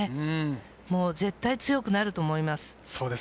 絶対強くなると思います。